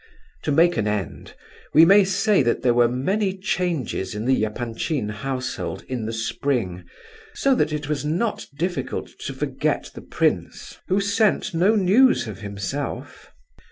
To make an end, we may say that there were many changes in the Epanchin household in the spring, so that it was not difficult to forget the prince, who sent no news of himself.